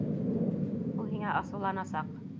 Ул һиңә асыуланасаҡ.